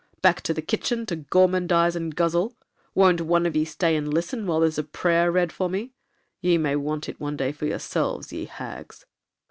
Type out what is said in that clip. back to the kitchen to gormandize and guzzle? Won't one of ye stay and listen while there's a prayer read for me? Ye may want it one day for yourselves, ye hags.'